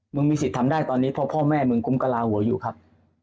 มีสิทธิ์ทำได้ตอนนี้เพราะพ่อแม่มึงกุ้มกระลาหัวอยู่ครับ